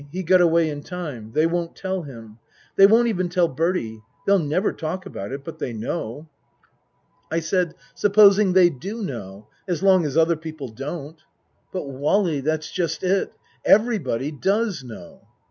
He got away in time. They won't tell him. They won't even tell Bertie. They'll never talk about it. But they know." I said, " Supposing they do know as long as other people don't "" But, Wally, that's just it. Everybody does know."